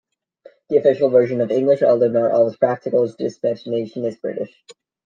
The official version of English, although not always practical in its dispensation, is British.